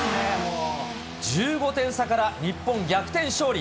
１５点差から、日本逆転勝利。